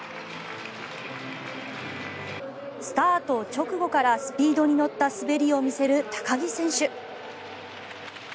スタート直後からスピードに乗った滑りを見せる高木選手。